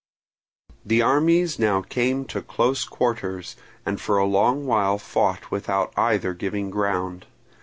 The armies now came to close quarters, and for a long while fought without either giving ground.